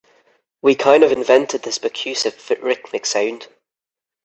We kind of invented this percussive rhythmic sound.